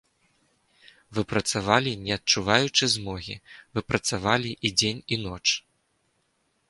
Вы працавалі, не адчуваючы змогі, вы працавалі і дзень і ноч.